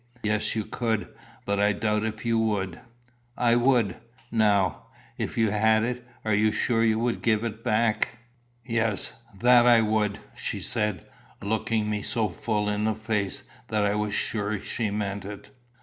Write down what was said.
"Yes, you could; but I doubt if you would." "I would." "Now, if you had it, you are sure you would give it back?" "Yes, that I would," she said, looking me so full in the face that I was sure she meant it.